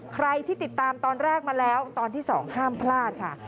ใครที่ติดตามตอนแรกมาแล้วตอนที่๒ห้ามพลาดค่ะ